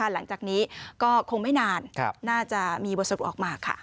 หลังจากนี้ก็คงไม่นานน่าจะมีบทสรุปออกมาค่ะ